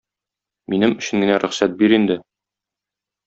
Минем өчен генә рөхсәт бир инде.